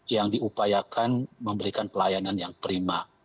yang diupayakan memberikan pelayanan yang prima